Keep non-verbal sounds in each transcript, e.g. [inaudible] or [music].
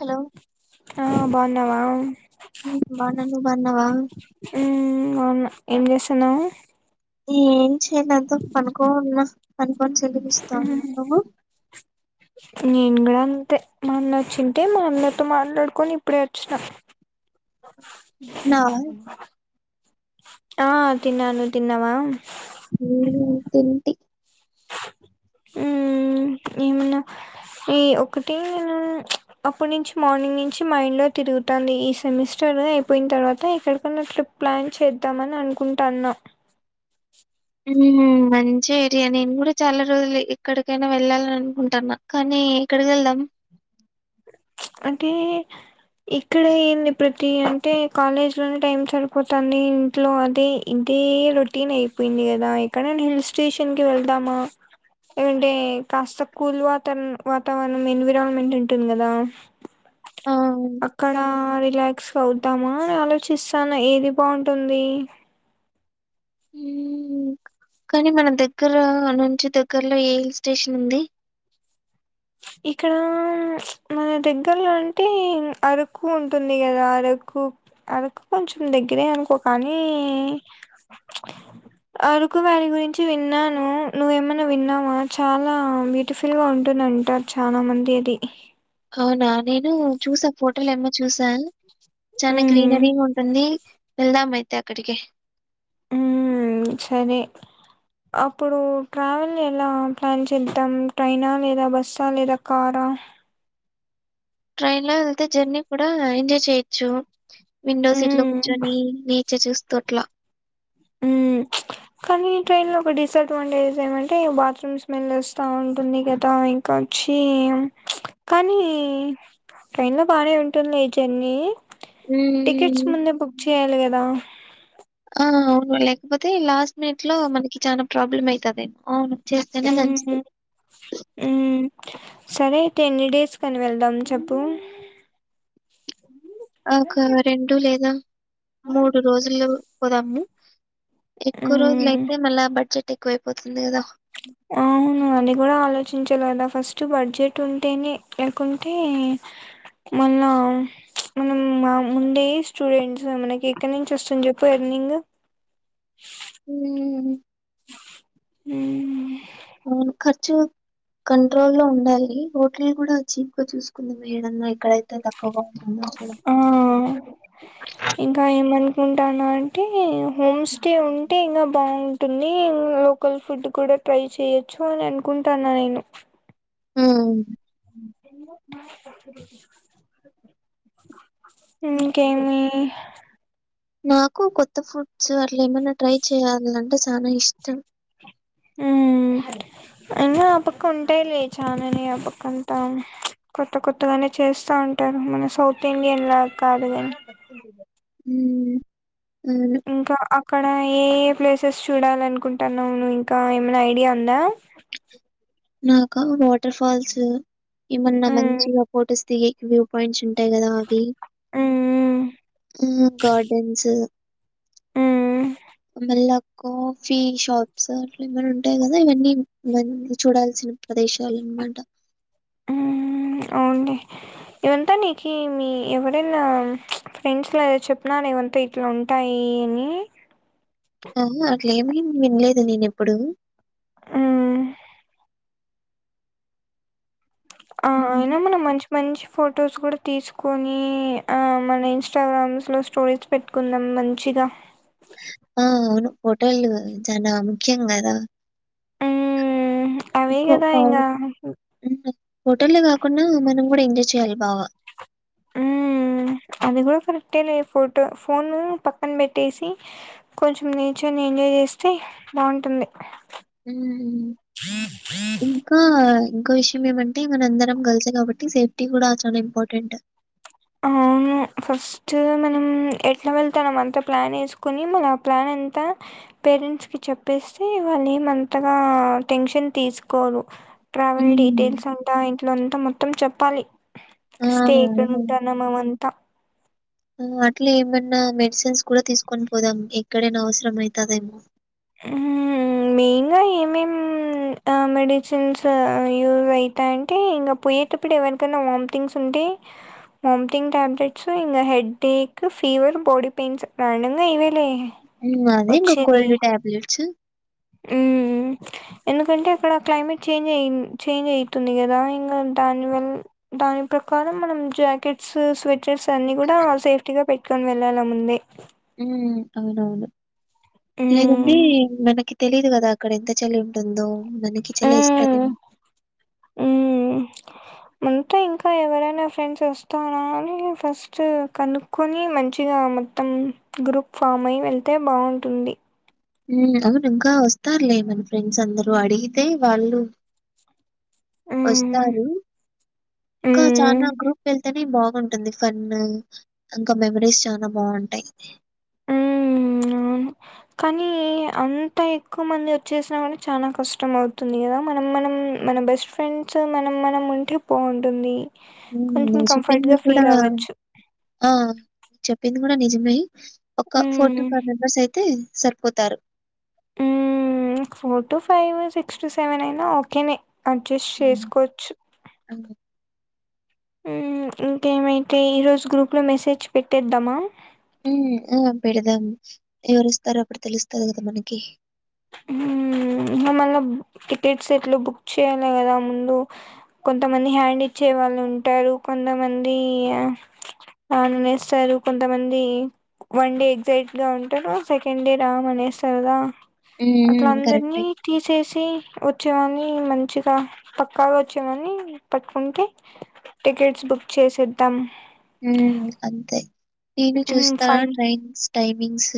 Hello ఆ బాగున్నావా బాన్నను నువ్బన్నవ అవు ఏం చేస్తున్నాము ఏం చేయలేంత పనుకోన్న పనుకోొని సెల్లుపిస్తా ఉమ్, ఉన్నా నేను కూడా అంతే మా అన్న వచ్చింటే మా అన్నతో మాట్లాడుకొని ఇప్పుడే వచ్చినా తిన్నావా ఆ తిన్నాను తిన్నవా ఉ హ్ తింటి ఉ ఏ మన్నా ఈ ఒకటి నే అప్పుటి నుంచి మార్నింగ్ నుంచి మైండ్ లో తిరుగుతుాంది ఈ సెమిస్టర్ అయిపోయిన తర్వాత ఎక్కడికన్నా ట్రిప్ ప్లాన్ చేద్దామని అనుకుంటాన్నా మంచి ఐడియా నే నేను కూడా చాలా రోజులు ఎక్కడికైనా వెళ్ళాలని అనుకుంటాన్నా కానీ ఎక్కడికి వెళ్దాం అంటే ఇక్కడ ఏంది ప్రతి అంటే కాలేజ్ లోనే టైమ్ సరిపోతుంది ఇంట్లో అదే ఇంటి అదే రొటీన్ అయిపోయింది కదా ఎక్కడేను హిల్ స్టేషన్ కి వెళ్తామా ఏంటే కాస్త కూల్ వాతరణ వాతావరణం ఎన్విరాన్మెంట్ ఉంటుంది కదా ఆ అక్కడా రిలాక్స్ అవుదామా ఆలోచిస్తాను ఏది బాగుంటుంది మ్ కానీ మన దగ్గర నుంచి దగ్గరలో ఏ హిల్ స్టేషన్ ఉంది ఇక్కడ మన దగ్గరలో అంటే అరకు ఉంటుంది కదా అరకు అరకు కొంచెం దగ్గరే అనుకో కానీ అరుకు వ్యాలి గురించి విన్నాను నువ్వేమైన్నా విన్నావా చాలా బ్యూటిఫుల్ గా ఉంటుంద అంటారు చాలా మంది అది అవునా నేను చూసా ఫోటోలు ఏమో చూసా చనా మ్మ్ గ్రీనరీ ఉంటుంది ఎల్దాం అయితే అక్కడికి మ్ సరే అప్పుడు ట్రావెల్ ఎలా ప్లాన్ చేద్దాం ట్రైనా లేదా బస్సా లేదా కారా ఆ ట్రైన్ లో వెళ్తే జర్నీ కూడా ఎంజాయ్ చేయ్యొచ్చు విండో సీట్ లో మ్మ్ కూర్చొని ఇచ్చ చూస్తూట్లా ఉ కానీ ట్రైన్ లో ఒక డిసడ్వాంటేజ్ ఏమంటే బాత్రూమ్ స్మెల్ వస్తా ఉంటుంది కదా ఇంకా కొచ్చి కానీ ట్రైన్లో బానే ఉంటుంది ఈ జర్నీ టికెట్స్ మ్మ్. ముందే బుక్ చేయాలి కదా ఆ అవును లేకపోతే లాస్ట్ మినిట్ లో మనకి చనాా ప్రాబ్లమ్ అవుతది అవును చేస్తానే మంచిది మ్మ్ మ్మ్ సరే అయితే ఎన్ని డేస్ కని వెళ్దాం చెప్పు ఒక రెండు లేదా మూడు రోజులు పోదామ్ము ఎక్కువ మ్మ్ రోజులయితే మళ్ళా బడ్జెట్ ఎక్కువైపోతుంది కదా [inaudible] అవును అది కూడా ఆలోచించలే కదా ఫస్ట్ బడ్జెట్ ఉంటేనే లేకుంటే మల్ల మనం ముందే స్టూడెంట్ మనకి ఎక్కడి నుంచి వస్తుంది చెప్పు ఎారు నింగ్ మ్ మ్ అవునుఖర్చు కంట్రోల్ లో ఉండాలి హోటల్ కూడా చీప్ గా చూసుకుందాం మేడన్నా ఎక్కడైతే తక్కువగా ఉంటుందో అక్కడ ఆ ఇంకా ఏమనుకుంటాను అంటే హోమ్స్ ఉంటే ఇంకా బాగు తిని లోకల్ ఫుడ్ కూడా ట్రై చేయొచ్చు అని అనుకుంటాను నేను మ్ [inaudible] ఇంకేమి నాకు కొత్త ఫుడ్స్ అట్ల ఏమైనా ట్రై చేయాలంటే చాలా ఇష్టం ఆ అయినా ఆ పక్క ఉంటాయిలే చాననే ఆ పక్కంతా కొత్త కొత్తగానే చేస్తా ఉంటారు మన సౌత్ ఇండియన్ లా కాదు కాని మ్మ్. అవును ఇంకా అక్కడ ఏ ఏ ప్లేసెస్ చూడాల అనుకుంటున్నావు నువవు ఇంకా ఏమైనా ఐడియా అందా చె నాకా వాటర్ ఫాల్స్ ఏమన్నా మ్మ్ మంచిగా ఫొటోస్ దిగ వ్యూ పాయింట్స్ ఉంట ట్ట కదా అవి మ్మ్ గార్డెన్స్ ఉమ్ మళ్ళా కాఫీ షాప్స్ అలా ఏమనా ఉంటాయి కదా ఇవన్నీ మ చూడాల్సిన ప్రదేశాలేట ఉ అవుడి ఇవంతా నీకు మీ ఎవరైనా ఫ్రెండ్స్లో చెప్న ఏమంతా ఇట్లా ఉంటాయి అని ఆ అట్లే ఏమి వినలేదు నేను ఎప్పుడు ఆ ఆ హ్మ్. అయినా మనం మంచి మంచి ఫొటోస్ కూడా తీసుకొని ఆ మన ఇంస్టాగ్రామ్స్ లో స్టోరీస్ పెట్టుకుందాం మంచిగా ఆ అవును హోటలు చాలా ముఖ్యం కదా మ్మ్ అవే కదా ఇంగా హోటల్లో కాకుండా మనం కూడా ఎంజాయ్ చేయాలి బాగా ఆ అది కూడా కరె పోను పక్కం పెట్టేసి కొంచెం నేచర్ ఎంజాయ్ చేస్తే బాగుంటుంది ఇంకా ఇంకో విషయం ఏమంటే మన అందరం కలిసు కాబట్టి సేఫ్టీ కూడా చాలా ఇంపార్టెంట్ అవును ఫస్ట్ మనం ఎట్లా వెళ్తానం అంతా ప్లాన్ వేసుకుని మళ్న ఆ ప్లాన్ అ పేరెంట్ క చెప్పేస్తే వాళ్ళు ఏంతగా టెన్షన్ తీసుకోరు ట్రావెల్ హ్మ్. డీటెయిల్స్ ఉంటా ఇంట్లో అంతా మొత్తం చెప్పాలి ఆ స్టే అవును టనమమంత ఇట్లా ఏమైన్నా మెడిసిన్స్ కూడా తీసుకొని పోదాం ఎక్కడైనా అవసరం అవుతుందేమో మెయిన్గా ఏమేం మెడిసిన్స్ యూస్ అవుతా అంటే ఇంకా పోయేటప్పుడు ఎవరికైనా వామ్థంగ్స్ ఉంటే అ మామ్టింగ్ ట్యాబ్లెట్స్ ఇ headache fever body pains రానుంగా ఇవేలే అదే ఇంగ వచ్చేది కోల్డ్ ట్యాబ్లెట్స్ మ్మ్. ఎందుకంటే అక్కడ క్లైమేట్ చేంజ్ అయి చేంజ్ అయితుంది కదా ఇంకా దానివల్ల దాని ప్ర కారం మనం జాకెట్స్ స్వెటర్స్ అన్ని కూడా సేఫ్టీ గా పెట్టుకొని వెళ్ళాలముంది ఉ అవునవును లేదండి మ్మ్. మనకి తెలీదు కదా అక్కడ ఎంత చల్లి ఉంటుందో మనకి చెలి మ్మ్. ఇస్తదేమో ముంత ఇంకా ఎవరైనా ఫ్రెండ్స్ వస్తారని ఫస్ట్ కనుక్కొని మంచిగా మొత్తం గ్రూప్ ఫామ్ అయి వెళ్తే బాగుంటుంది అవును ఇంకా వస్తారులే మన ఫ్రెండ్స్ అందరుూ అడిగితే వాళ్ళు మ్మ్. వస్తారు ఇంకా మ్మ్. చనా గ్రూప్ వెళ్తేనే బాగుంటుంది ఫన్ ఇంకా మెమరీస్ చాల బాగుంటంది ఉంటాయి అ అవును కానీ అంత ఎక్కువ మంది వచ్చేసినా కూడా చాలా కష్టం అవుతుంది కదా మనం మనం మన బెస్ట్ ఫ్రెండ్స్ మనం మనం ఉంటే పోగుంటుంది నేను చెప్పింది కూడా అవ్వచ్చు. ఆ చెప్పింది కూడా నిజమే ఒక ఫోర్ టు హ్మ్. ఫైవ్ మెంబర్స్ అయితే సరిపోతారు four to five six to seven అయినా ఓకేనే అడ్జస్ట్ హ్మ్. చేసుకోవచ్చు అవును. ఇంకేమైతే ఈరోజు గ్రూప్ లో మెసేజ్ పెట్టేద్దామా ఉ ఆ పెడదాం ఎవరు వస్తారో అప్పుడు తెలుస్తది కదా మనకి హ ఇంకా మళ్ళ టికెట్స్ ఎట్లు బుక్ చేయాలి కదా ముందు కొంతమంది హ్యాండ్ ఇచ్చే వాళ్ళు ఉంటారు కొంతమంది రానునేస్తారు కొంతమంది వన్ డే ఎగ్జైట్ గా ఉంటారు సెకండ్ డే రామ్ అనేస్తారుదా హ్మ్. అట్లా హ్మ్. అందరినీ కరెక్టే. తీసేసి వచ్చే కాని మంచిగా పక్కాగా వచ్చే కాని పట్టుకుంటే టికెట్స్ బుక్ చే చేసేద్దాం అంతే నేను ఉమ్ చూస్తా ఫైన్ ట్రైన్స్ టైమింగ్స్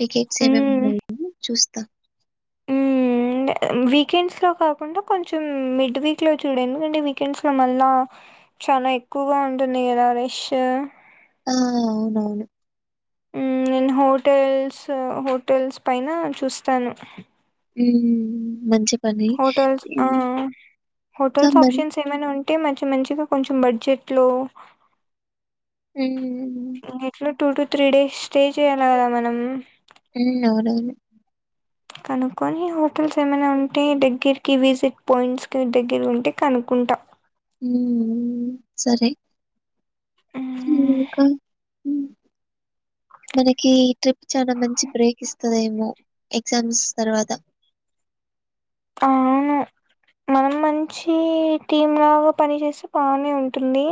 టికెట్స్ ఏం ఏం ఉన్నాయో చూస్తా మ్మ్ అండ్ వీకెండ్స్లో కాకుండా కొంచెం మిడ్ వీక్లో చూడం ఎందుకంటే వీకెండ్స్లో మళ్ళీ చాలా ఎక్కువగా ఉంటుంది కదా రేష్ ఆ అవున నేను హోటల్స్ హోటల్స్ పైన చూస్తాను మంచి పని. హోటల్స్ ఆ హ్మ్. ఇంకా హోటల్స్ మరి ఆప్షన్స్ ఏమైనా ఉంటా తే మంచి మంచిగా కొంచం బడ్జెట్ లో హ్మ్. Two to three days stay చేయాలి కదా మనం ఉ అవును కనుక్కొని హోటల్స్ ఏమైనా ఉంటే దగ్గరకి విజిట్ పాయింట్స్ కి దగ్గర ఉంటే కనుక్ కుంట సరే మ్మ్. ఇంక మనకి ట్రిప్ చాలా మంచి బ్రేక్ ఇస్తుందేమో ఎగ్జామ్స్ తర్వాత ఆఅవును మనం మంచి టీం లాగా పని చేస్తే బాగానే ఉంటుంది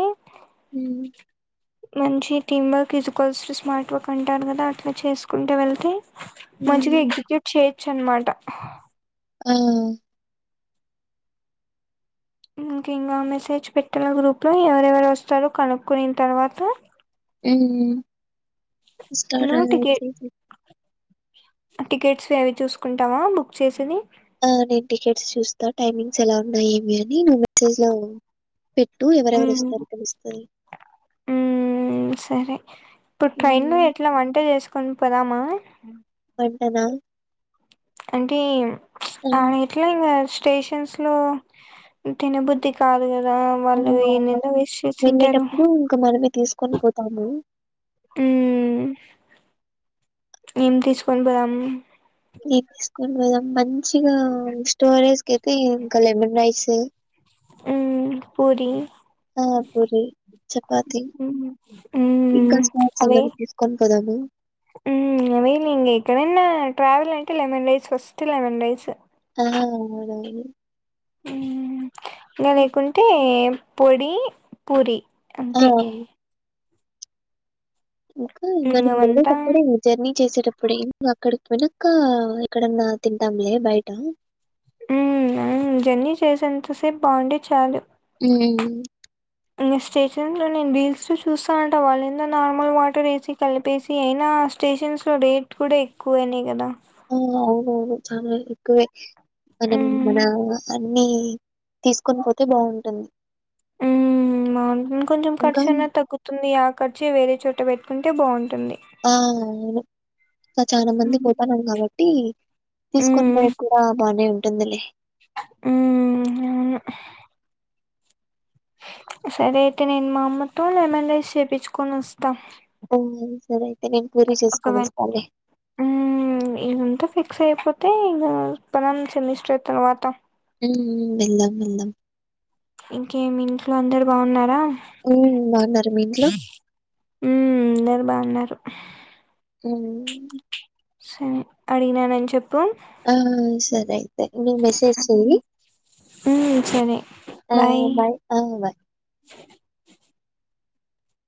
హుమ్ మంచి team work is equal to smart work అంటారు కదా అట్లా చేసుకుంటే వెళ్తే హ్మ్. మంచిగా ఎగ్జిక్యూట్ చేయొచ్చు అనమాట ఆ ఇంక ఇంకా మెసేజ్ పెట్టాల గ్రూప్ లో ఎవరెవరు వస్తారో కనుక్కున తర్వాత అవును వస్తారా నువ్వు టికెట్ టికెట్స్ ఏవి చూసుకుంటావా బుక్ చేసిది ఆ నేను టికెట్స్ చూస్తా టైమింగ్స్ ఎలా ఉన్నాయ ఏమి అని నువ్వు మెసేజ్ లో పెట్టు ఎవరెవరు ఉమ్ వస్తారో తెలుస్తది సరే ఇప్పుడు ట్రైన్ హ్మ్. ఎట్లా వంట చేసుకుని పోదామా పెంటనా అంటే ఆన ఎట్లా ఇంకా స్టేషన్స్ లో తినబుద్ధి కాదు కదా వాళ్ళు ఏందేందో వేస్ట్ చేసింటారు వెళ్లేటప్పుడు ఇంకా మనమే తీసుకొని పోతాము హ ఏం తీసుకొని పోదాం ఏం తీసుకొని పోదాం? మంచిగా స్టోరేజ్కి అయితే ఇంకా లెమన్ రైస్ ఉ పూరి ఆ పూరి చపాతి ఉమ్ మ్మ్. ఇంకా స్నాక్స్ ఎమ తీసుకొని పోదాము అవేలి ఇం ఇక్కడనా ట్రావెల్ అంటే lemon rice first lemon rice ఆ ఇంకా హ్మ్. లేకుంటే పొడి పూరి ఆ! అంతే ఇంకా ఉమ్, మనం ఏమంటా లేడేటప్పుడే మీ జర్నీ చేసేటప్పుడు ను అక్కడికి వెనక ఇక్కడన్నా తింటాంలే బయట ఉ జర్నీ చేసేంత సేపు బాగుండే చాలు అ ఇంకా స్టేషన్స్ లో నేను రీల్స్ త చూస్తానంట వాళ్ళుందో నార్మల్ వాటర్ వేసి కలిపేసి అయినా స్టేషన్స్లో రేట్ కూడా ఎక్కువయినాయి కదా ఆ అవునవును చాలా ఎక్కువే మనం మన హ్మ్. అన్ని తీసుకొని పోతే బాగుంటుంది ఉ బాగుంటు కొంచెం ఇంకా ఖర్చు అయి తగ్గుతుంది ఆ ఖర్చే వేరే చోట పెట్టుకుంటే బాగుంటుంది ఆ సో చాలా మంది హ్మ్. పోతున్నాం కాబట్టి తీసుకొని పోయది కూడా బానే ఉంటుందిలే ఉ సరే అయితే నేను మా అమ్మతోలమన్ఐస్ చేయించుకొని వస్తా ఓ సరే నేను పూరి ఒకవేళ చేసుకొనొస్తాలే. ఇదింటా ఫిక్ స అయిపోతే ఇం పదం సెమిస్టర్ తర్వాత వెళ్దం వెల్ందం ఇంకేమి ఇంట్లో అందరు బాగున్నారా హ్మ్. బావున్నారా మీ ఇంట్లో? ఉ అందరు బాగున్నారు అ సరే అడిగిననని చెప్ ఆ సర అయితే మీ మెసేజ్ చేయి మ్మ్ సరే ఆ బాయ్ ఆ బాయ్